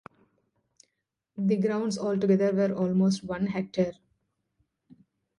The grounds altogether were almost one hectare.